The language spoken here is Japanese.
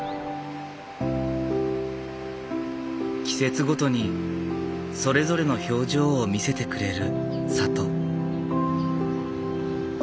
季節ごとにそれぞれの表情を見せてくれる里。